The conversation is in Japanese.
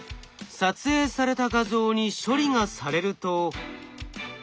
撮影された画像に処理がされると。